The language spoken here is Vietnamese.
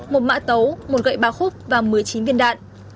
một mã tấu một gậy ba khúc và một mươi chín viên đạn